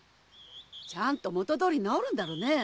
ちゃんと元どおり治るんだろうねえ？